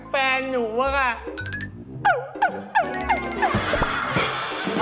แฟนหนูว่าค่ะ